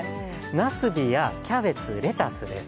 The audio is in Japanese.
なすびやキャベツ、レタスです。